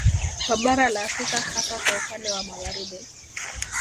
Kwa bara la Afrika hasa kwa upande wa Magharibi